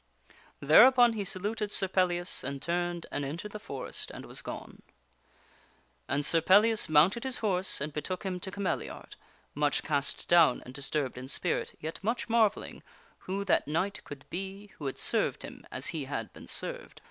Thereupon he saluted Sir Pellias and turned and entered the forest and was gone. And Sir Pellias mounted his horse and betook him to Cameliard, much cast down and disturbed in spirit, yet much marvelling who that knight could be who had served him as he had been served.